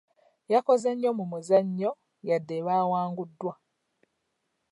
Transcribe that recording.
Yakoze nnyo mu muzannyo yadde baawanguddwa.